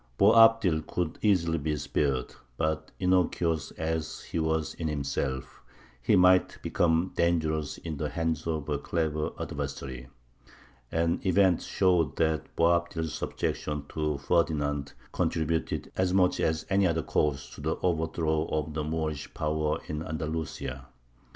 Boabdil could easily be spared; but innocuous as he was in himself, he might become dangerous in the hands of a clever adversary; and events showed that Boabdil's subjection to Ferdinand contributed as much as any other cause to the overthrow of the Moorish power in Andalusia.